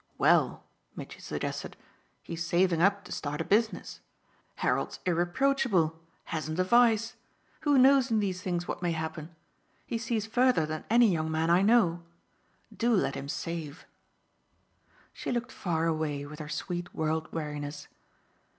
"Well," Mitchy suggested, "he's saving up to start a business. Harold's irreproachable hasn't a vice. Who knows in these days what may happen? He sees further than any young man I know. Do let him save." She looked far away with her sweet world weariness.